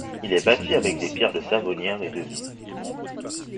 Il est bâti avec des pierres de Savonnière et d'Euville.